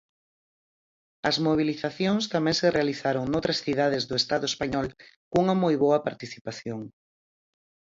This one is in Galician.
As mobilizacións tamén se realizaron noutras cidades do Estado español cunha moi boa participación.